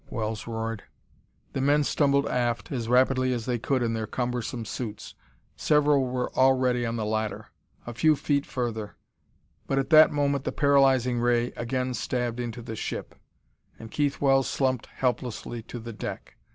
Wells roared. The men stumbled aft as rapidly as they could in their cumbersome suits. Several were already on the ladder. A few feet further But at that moment the paralyzing ray again stabbed into the ship and Keith Wells slumped helplessly to the deck.